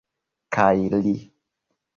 Kaj li?